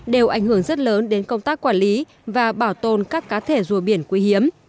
đều ảnh hưởng rất lớn đến công tác quản lý và bảo tồn các cá thể rùa biển quý hiếm